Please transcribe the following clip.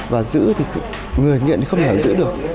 và giữ thì người nghiện không thể giữ được